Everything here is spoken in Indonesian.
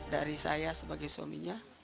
dari saya sebagai suaminya